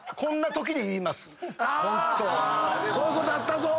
こういうことあったぞ。